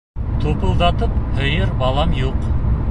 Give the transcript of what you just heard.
Тупылдатып һөйөр балам юҡ.